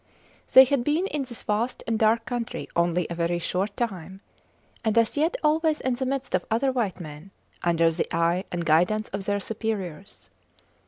They had been in this vast and dark country only a very short time, and as yet always in the midst of other white men, under the eye and guidance of their superiors.